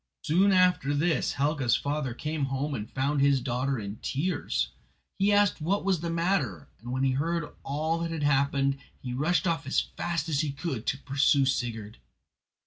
Soon after this Helga's father came home and found his daughter in tears. He asked what was the matter, and when he heard all that had happened, he rushed off as fast as he could to pursue Sigurd.